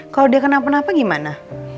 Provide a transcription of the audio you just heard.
kalau dia kenapa gimana